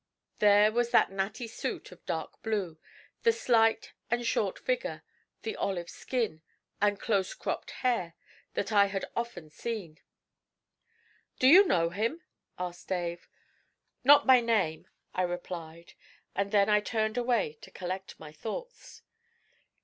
There was that natty suit of dark blue, the slight and short figure, the olive skin and close cropped hair that I had seen often. 'Do you know him?' asked Dave. 'Not by name,' I replied, and then I turned away to collect my thoughts.